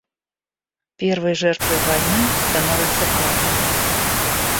Первой жертвой войны становится правда